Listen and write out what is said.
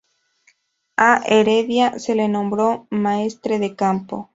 A Heredia se le nombró maestre de campo.